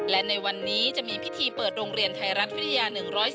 และในวันนี้จะมีพิธีเปิดโรงเรียนไทยรัฐวิทยา๑๔